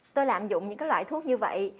tôi lạm dụng những loại thuốc như vậy